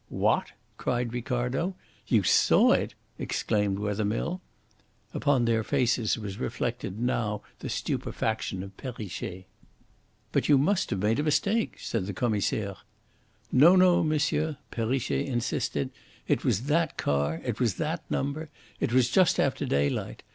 "What!" cried Ricardo. "You saw it!" exclaimed Wethermill. Upon their faces was reflected now the stupefaction of Perrichet. "But you must have made a mistake," said the Commissaire. "No, no, monsieur," Perrichet insisted. "It was that car. It was that number. It was just after daylight.